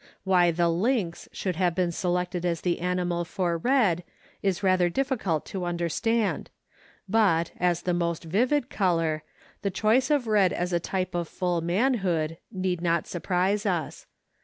Why the lynx should have been selected as the animal for red is rather difficult to understand, but, as the most vivid color, the choice of red as a type of full manhood need not surprise us.